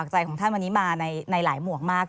ใจของท่านวันนี้มาในหลายหมวกมาก